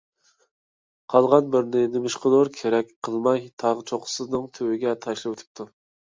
قالغان بىرىنى نېمىشقىدۇر كېرەك قىلماي، تاغ چوققىسىنىڭ تۈۋىگە تاشلىۋېتىپتۇ.